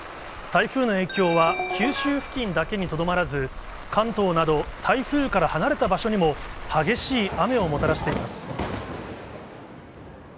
台風の影響は、九州付近だけにとどまらず、関東など台風から離れた場所にも激しい雨をもたらしています。